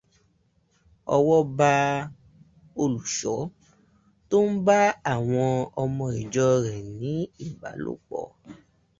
Ọwọ́ ba olùṣọ́ tó ń bá àwọn ọmọ ìjọ rẹ ní ìbálòpọ̀.